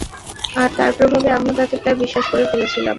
আর তার প্রভাবে আমিও তাতে প্রায় বিশ্বাস করে ফেলেছিলাম।